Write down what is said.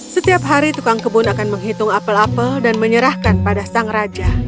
setiap hari tukang kebun akan menghitung apel apel dan menyerahkan pada sang raja